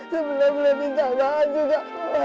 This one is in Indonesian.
sebenarnya the the bahan juga bawah